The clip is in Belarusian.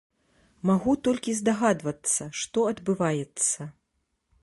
Магу толькі здагадвацца, што адбываецца.